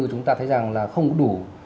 chúng ta thấy rằng là không đủ